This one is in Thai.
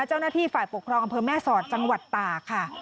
เจ้าหน้าที่ฝ่ายปกครองอำเภอแม่สอดจังหวัดตากค่ะ